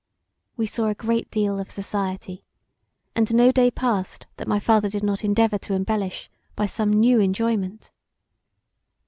We saw a great deal of society, and no day passed that my father did not endeavour to embellish by some new enjoyment.